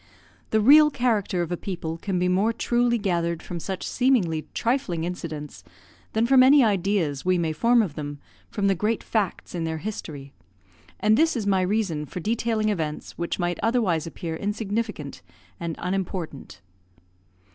The real character of a people can be more truly gathered from such seemingly trifling incidents than from any ideas we may form of them from the great facts in their history, and this is my reason for detailing events which might otherwise appear insignificant and unimportant.